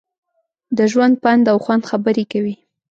د ژوند، پند او خوند خبرې کوي.